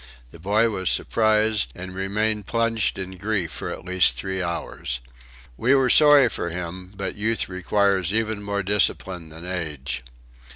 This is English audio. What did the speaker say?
The boy was surprised, and remained plunged in grief for at least three hours. We were sorry for him, but youth requires even more discipline than age.